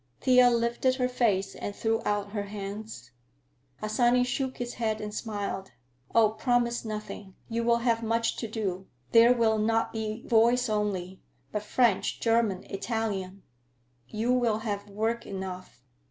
Thea lifted her face and threw out her hands. Harsanyi shook his head and smiled. "Oh, promise nothing! You will have much to do. There will not be voice only, but French, German, Italian. You will have work enough.